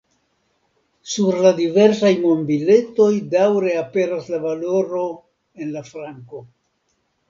Sur la diversaj monbiletoj daŭre aperas la valoro en la franko.